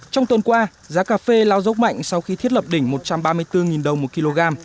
trong tuần qua giá cà phê lao dốc mạnh sau khi thiết lập đỉnh một trăm ba mươi bốn đồng một kg